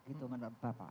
itu menurut bapak